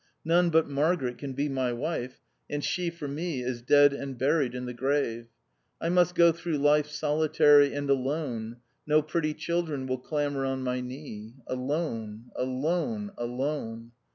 None but Margaret can be my wife, and she for me is dead and buried in the grave. I must go through life solitary and alone ; no pretty children will clamber on my knee. Alone — alone — alone.